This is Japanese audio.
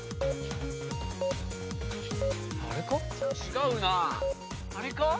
違うなあれか？